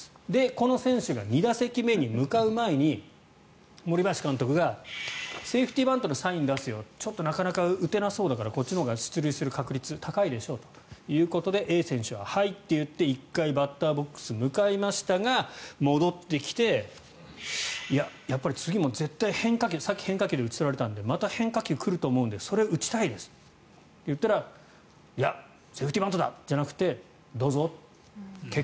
この選手が２打席目に向かう前に森林監督がセーフティーバントのサイン出すよこちらのほうが出塁率高そうでしょということでＡ選手ははいと言って、１回バッターボックス向かいましたが戻ってきて、やっぱり次も絶対変化球が来ると思うのでそれを打ちたいですと言ったらいやセーフティーバントじゃなくてどうぞ。